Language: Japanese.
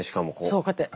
そうこうやって。